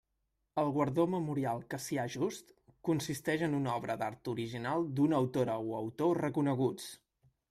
El guardó Memorial Cassià Just consisteix en una obra d'art original d'una autora o autor reconeguts.